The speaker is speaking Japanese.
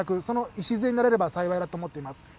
その礎になれれば幸いだと思っております。